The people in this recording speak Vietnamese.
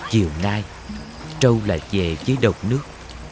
chiều nay trâu lại về dưới đồng nước